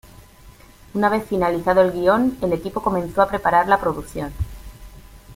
Una vez finalizado el guion, el equipo comenzó a preparar la producción.